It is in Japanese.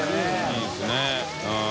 いいですね。